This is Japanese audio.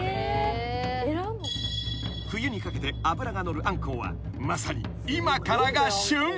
［冬にかけて脂が乗るアンコウはまさに今からが旬］